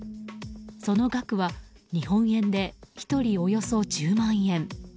その額は日本円でおよそ１人１０万円。